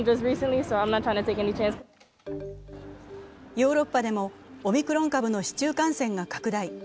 ヨーロッパでもオミクロン株の市中感染が拡大。